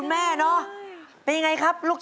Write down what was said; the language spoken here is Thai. ง่ายหลายหัวสาหาสาหาร